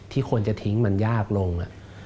คนจะทิ้งมันยากลง